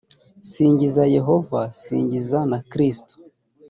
singiza yehova singiza na kristo